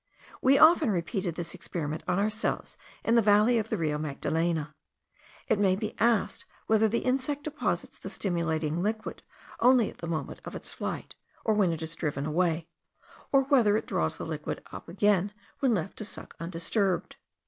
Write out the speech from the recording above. We often repeated this experiment on ourselves in the valley of the Rio Magdalena. It may be asked whether the insect deposits the stimulating liquid only at the moment of its flight, when it is driven away, or whether it draws the liquid up again when left to suck undisturbed.